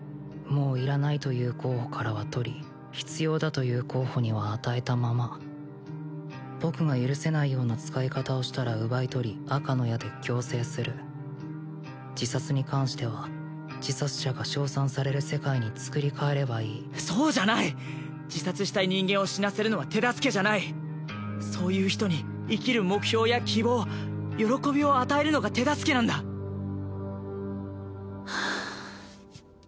もういらないという候補からは取り必要だという候補には与えたまま僕が許せないような使い方をしたら奪い取り赤の矢で矯正する自殺に関しては自殺者が称賛される世界につくりかえればいいそうじゃない自殺したい人間を死なせるのは手助けじゃないそういう人に生きる目標や希望喜びを与えるのが手助けなんだはあ